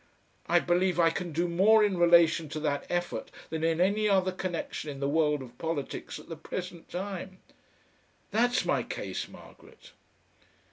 I believe I can do more in relation to that effort than in any other connexion in the world of politics at the present time. That's my case, Margaret."